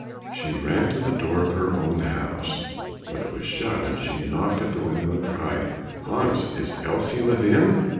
She ran to the door of her own house, but it was shut; then she knocked at the window and cried, "Hans, is Elsie within?"